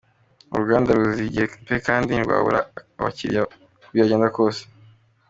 uru ruganda ruziye igihe pe kandi ntirwabura abakiliya uko byagenda kose.